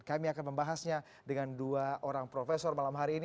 kami akan membahasnya dengan dua orang profesor malam hari ini